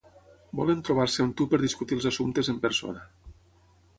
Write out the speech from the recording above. Volen trobar-se amb tu per discutir els assumptes en persona.